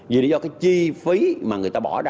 vì lý do cái chi phí mà người ta bỏ ra